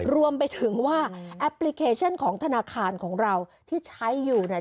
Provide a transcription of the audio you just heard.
รวมไปถึงว่าแอปพลิเคชันของธนาคารของเราที่ใช้อยู่เนี่ย